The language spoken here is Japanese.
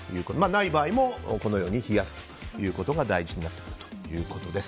ない場合もこのように冷やすことが大事になってくると。